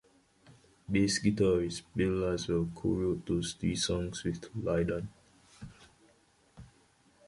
Bass guitarist Bill Laswell co-wrote those three songs with Lydon.